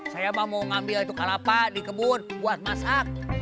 saya mau ngambil itu kalapa di kebun buat masak